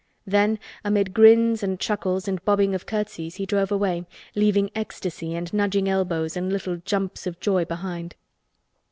Then amid grins and chuckles and bobbing of curtsies he drove away, leaving ecstasy and nudging elbows and little jumps of joy behind.